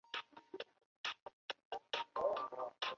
线叶书带蕨为书带蕨科书带蕨属下的一个种。